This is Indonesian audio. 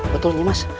betul nih mas